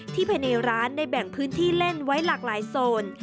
ภายในร้านได้แบ่งพื้นที่เล่นไว้หลากหลายโซน